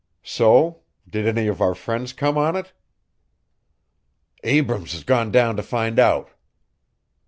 "So? Did any of our friends come on it?" "Abrams has gone down to find out."